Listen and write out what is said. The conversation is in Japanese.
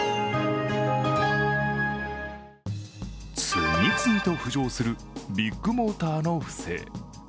次々と浮上するビッグモーターの不正。